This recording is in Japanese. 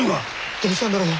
どうしたんだろう？